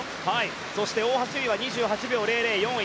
そして大橋悠依は２８秒００で４位。